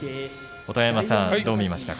音羽山さんどう見ましたか。